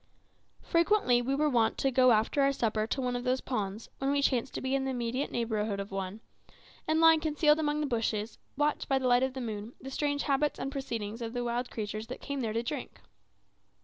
Frequently we were wont to go after our supper to one of those ponds, when we chanced to be in the immediate neighbourhood of one, and lying concealed among the bushes, watch by the light of the moon the strange habits and proceedings of the wild creatures that came there to drink.